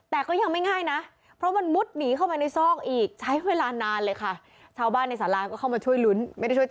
เป็นคนจับชาวสโลเชียล